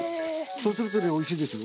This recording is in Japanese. そうするとねおいしいですよ。